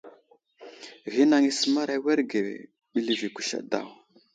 Ghinaŋ i səmar awerge ɓəlvi kuseɗ daw.